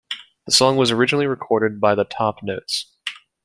The song was originally recorded by the Top Notes.